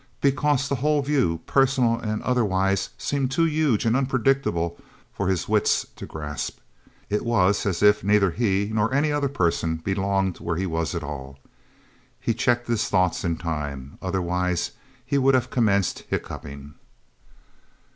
Because the whole view, personal and otherwise, seemed too huge and unpredictable for his wits to grasp. It was as if neither he, nor any other person, belonged where he was at all. He checked his thoughts in time. Otherwise, he would have commenced hiccuping.